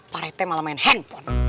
pak rete malah main handphone